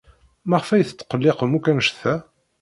Maɣef ay tetqelliqemt akk anect-a?